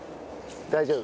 大丈夫？